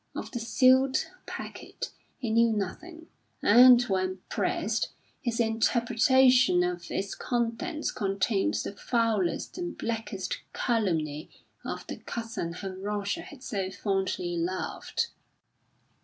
Of the 'sealed' packet he knew nothing and, when pressed, his interpretation of its contents contained the foulest and blackest calumny of the cousin whom Roger had so fondly loved.